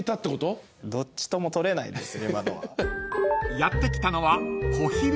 ［やって来たのは］